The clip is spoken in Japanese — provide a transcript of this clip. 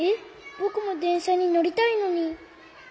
ぼくもでんしゃにのりたいのに。